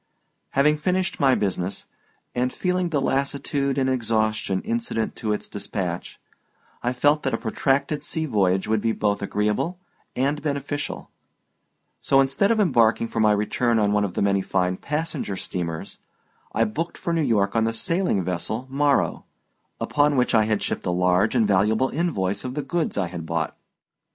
Having finished my business, and feeling the lassitude and exhaustion incident to its dispatch, I felt that a protracted sea voyage would be both agreeable and beneficial, so instead of embarking for my return on one of the many fine passenger steamers I booked for New York on the sailing vessel Morrow, upon which I had shipped a large and valuable invoice of the goods I had bought.